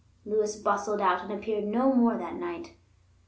Lewis bustled out, and appeared no more that night.